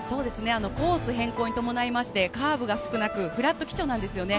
コース変更に伴いまして、カーブが少なく、フラット基調なんですよね。